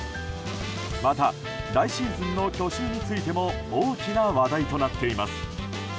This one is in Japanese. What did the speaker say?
また、来シーズンの去就についても大きな話題となっています。